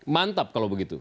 mantap kalau begitu